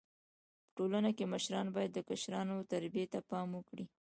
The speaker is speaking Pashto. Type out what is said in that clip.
ټولنه کي مشران بايد د کشرانو و تربيي ته پام وکړي.